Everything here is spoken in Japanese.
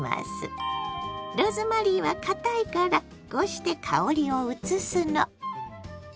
ローズマリーはかたいからこうして香りをうつすの。